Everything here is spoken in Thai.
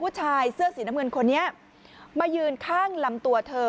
ผู้ชายเสื้อสีน้ำเงินคนนี้มายืนข้างลำตัวเธอ